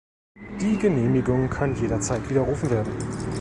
Die Genehmigung kann jederzeit widerrufen werden.